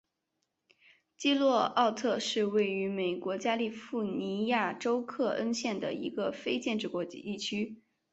基洛沃特是位于美国加利福尼亚州克恩县的一个非建制地区。